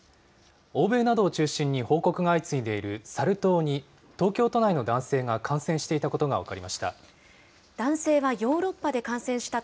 欧米などを中心に報告が相次いでいるサル痘に、東京都内の男性が感染していたことが分かりました。